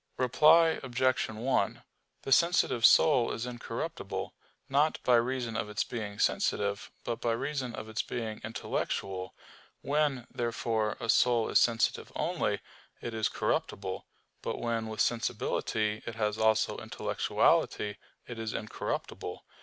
Reply Obj. 1: The sensitive soul is incorruptible, not by reason of its being sensitive, but by reason of its being intellectual. When, therefore, a soul is sensitive only, it is corruptible; but when with sensibility it has also intellectuality, it is incorruptible.